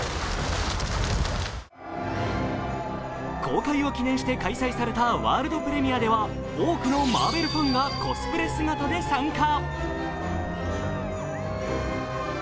公開を記念して開催されたワールドプレミアでは多くのマーベルファンがコスプレ姿で参加。